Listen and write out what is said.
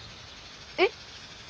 えっ？